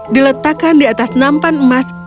diletakkan di atas nampan emas